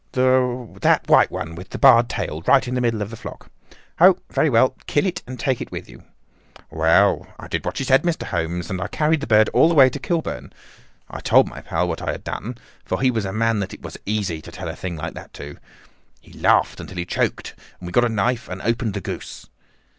"'That white one with the barred tail, right in the middle of the flock.' "'Oh, very well. Kill it and take it with you.' "Well, I did what she said, Mr. Holmes, and I carried the bird all the way to Kilburn. I told my pal what I had done, for he was a man that it was easy to tell a thing like that to. He laughed until he choked, and we got a knife and opened the goose.